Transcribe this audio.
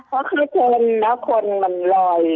เพราะเขาเดินแล้วคนมันลอย